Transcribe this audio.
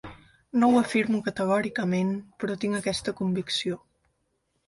No ho afirmo categòricament, però tinc aquesta convicció.